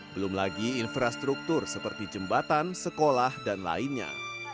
belum lagi infrastruktur seperti jembatan sekolah dan lainnya